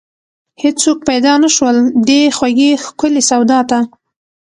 هیڅوک پیدا نشول، دې خوږې ښکلې سودا ته